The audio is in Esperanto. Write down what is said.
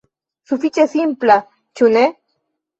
Sufiĉe simpla, ĉu ne?